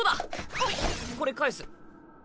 はいこれ返す。